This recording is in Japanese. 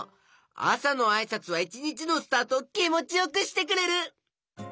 あさのあいさつは１にちのスタートをきもちよくしてくれる！